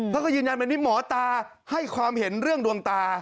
เขาก็ยืนยันแบบนี้หมอตาให้ความเห็นเรื่องดวงตา